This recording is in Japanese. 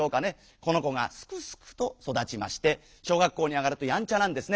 この子がすくすくとそだちまして小学校にあがるとやんちゃなんですね。